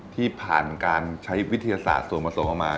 ที่ผ่านการใช้วิทยาศาสตร์ส่วนผสมออกมา